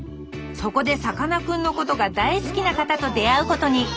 そこでさかなクンのことが大好きな方と出会うことに。